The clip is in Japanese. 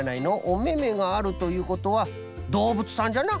おめめがあるということはどうぶつさんじゃな。